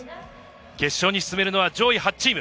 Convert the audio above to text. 決勝に進めるのは上位８チーム。